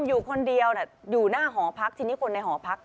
อยู่คนเดียวอยู่หน้าหอพักทีนี้คนในหอพัก